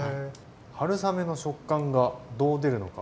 春雨の食感がどう出るのか。